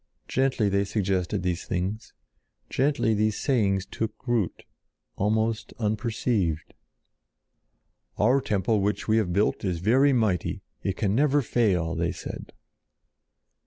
Gently they suggested these things, gently these sayings took root, almost unperceived. "Our temple which we have built is very mighty. It can never fall," they said.